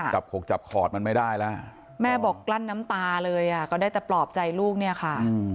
ขกจับขอดมันไม่ได้แล้วแม่บอกกลั้นน้ำตาเลยอ่ะก็ได้แต่ปลอบใจลูกเนี่ยค่ะ